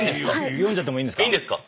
読んじゃってもいいんですか？